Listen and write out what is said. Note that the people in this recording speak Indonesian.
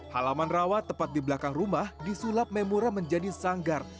halaman rawat tepat di belakang rumah disulap memura menjadi sanggar